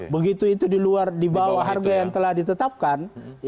begitu itu di luar di bawah harga yang telah ditetapkan